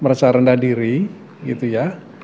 merasa rendah diri gitu ya